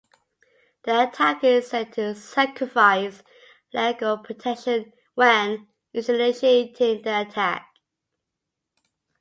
The attacker is said to sacrifice legal protection when initiating the attack.